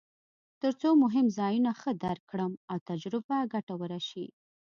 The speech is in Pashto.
ترڅو مهم ځایونه ښه درک کړم او تجربه ګټوره شي.